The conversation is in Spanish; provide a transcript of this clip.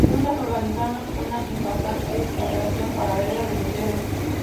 Juntas organizaron una impactante votación paralela de mujeres.